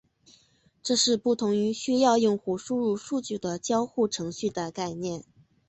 这是不同于需要用户输入数据的交互程序的概念。